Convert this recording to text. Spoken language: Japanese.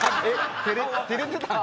照れてたの？